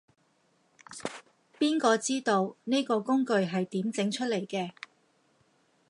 邊個知道，呢個工具係點整出嚟嘅